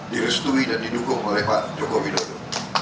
direstui dan didukung oleh pak jokowi dulu